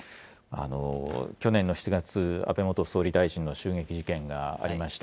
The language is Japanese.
去年の７月、安倍元総理大臣の襲撃事件がありました。